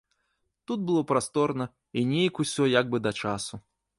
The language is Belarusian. Тут было прасторна і нейк усё як бы да часу.